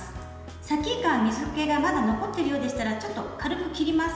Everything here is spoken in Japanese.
さきいかは、水けがまだ残っているようでしたらちょっと軽く切ります。